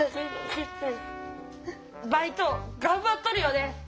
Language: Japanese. バイト頑張っとるよね。